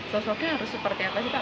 sosoknya harus seperti apa sih pak